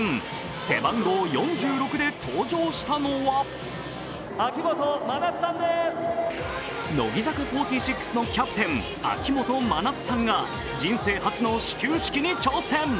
背番号４６で登場したのは乃木坂４６のキャプテン秋元真夏さんが人生初の始球式に挑戦。